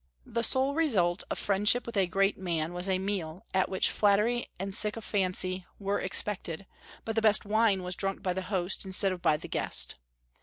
The sole result of friendship with a great man was a meal, at which flattery and sycophancy were expected; but the best wine was drunk by the host, instead of by the guest.